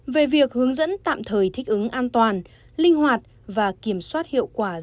về việc hướng dẫn tạm thời